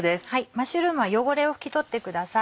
マッシュルームは汚れを拭き取ってください。